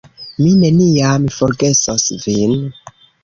Mi neniam forgesos vin!